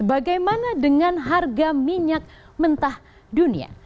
bagaimana dengan harga minyak mentah dunia